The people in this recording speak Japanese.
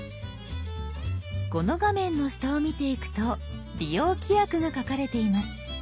この画面の下を見ていくと「利用規約」が書かれています。